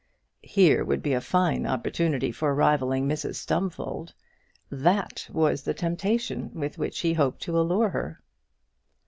Here would be a fine opportunity for rivalling Mrs Stumfold! That was the temptation with which he hoped to allure her.